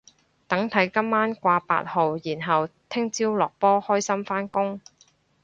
等睇今晚掛八號然後聽朝落波開心返工